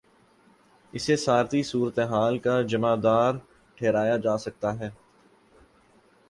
اسے ساری صورت حال کا ذمہ دار ٹھہرایا جا سکتا ہے۔